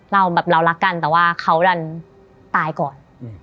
เราแบบรักกันแต่ว่าเขาตายก่อน